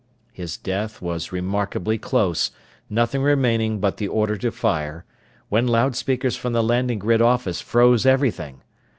His death was remarkably close, nothing remaining but the order to fire, when loudspeakers from the landing grid office froze everything.